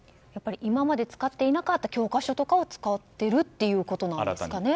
今まで使っていなかった教科書とかを使っているということなんですかね。